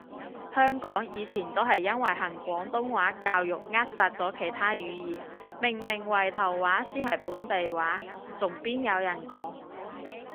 香港以前都係因為行廣東話教育扼殺咗其他語言，明明圍頭話先係本地話，仲邊有人講？